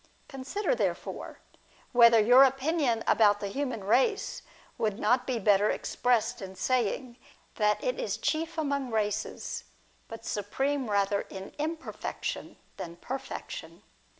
Consider, therefore, whether your opinion about the human race would not be better expressed in saying, that it is chief among races, but supreme rather in imperfection than perfection.